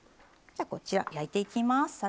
じゃこちら焼いていきます。